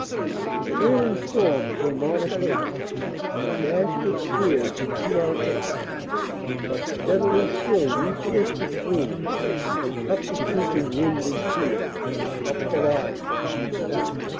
The wailing storm came on apace, And dashed its tears into our fade; But steadily still we pierced it through, And cut the sweeping wind in two, Up the line.